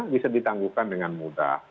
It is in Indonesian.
bisa ditangguhkan dengan mudah